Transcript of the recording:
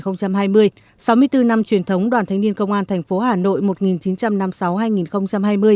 sáu mươi bốn năm truyền thống đoàn thanh niên công an thành phố hà nội một nghìn chín trăm năm mươi sáu hai nghìn hai mươi